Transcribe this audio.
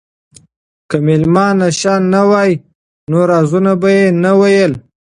که مېلمانه نشه نه وای نو رازونه به یې نه ویل.